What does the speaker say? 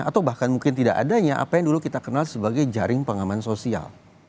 atau bahkan mungkin tidak adanya apa yang dulu kita kenal sebagai jaring pengaman sosial